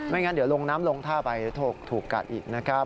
งั้นเดี๋ยวลงน้ำลงท่าไปถูกกัดอีกนะครับ